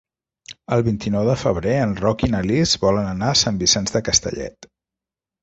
El vint-i-nou de febrer en Roc i na Lis volen anar a Sant Vicenç de Castellet.